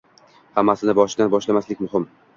Hammasini boshidan boshlamaslik muhim.